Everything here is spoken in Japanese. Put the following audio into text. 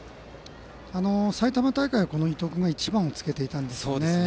埼玉大会は伊藤君が１番をつけていたんですね。